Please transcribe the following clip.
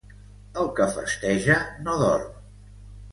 El que festeja no dorm.